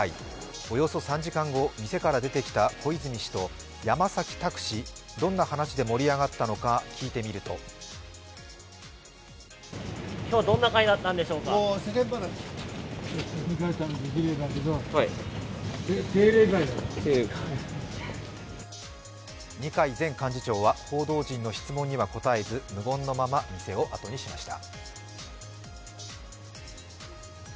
およそ３時間後、店から出てきた小泉氏と山崎拓氏、どんな話で盛り上がったのか聞いてみると二階前幹事長は報道陣の質問には答えず無言のまま店をあとにしました。